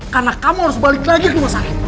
karena kamu harus balik lagi ke rumah sakit